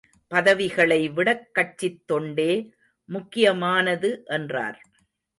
பதவிகளை விடக் கட்சித் தொண்டே முக்கியமானது என்றார்.